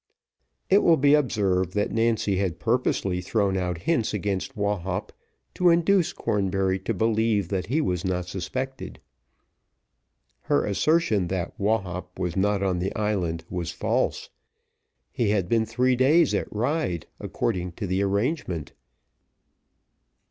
It will be observed that Nancy had purposely thrown out hints against Wahop, to induce Cornbury to believe that he was not suspected. Her assertion that Wahop was not on the island was false. He had been three days at Ryde, according to the arrangement.